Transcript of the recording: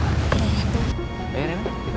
cepet baik ya